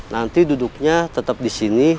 nanti duduknya tetep disini